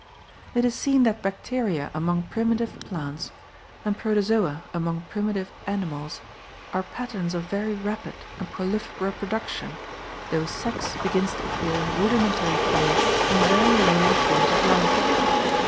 It is seen that bacteria among primitive plants, and protozoa among primitive animals, are patterns of very rapid and prolific reproduction, though sex begins to appear in a rudimentary form in very lowly forms of life.